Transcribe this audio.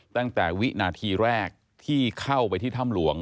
ตั้งแต่วินาทีแรกที่เข้าไปที่ถ้ำหลวง